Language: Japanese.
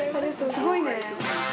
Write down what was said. すごいね。